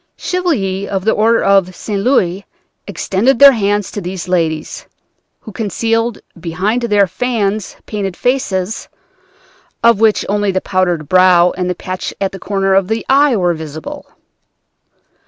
Chevaliers of the Order of St. Louis extended their hands to these ladies, who concealed behind their fans painted faces, of which only the powdered brow and the patch at the corner of the eye were visible!